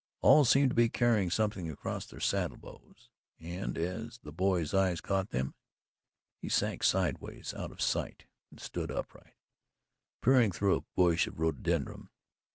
All seemed to be carrying something across their saddle bows, and as the boy's eyes caught them, he sank sidewise out of sight and stood upright, peering through a bush of rhododendron.